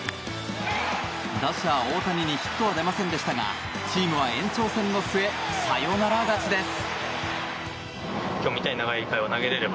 打者・大谷にヒットは出ませんでしたがチームは延長戦の末サヨナラ勝ちです。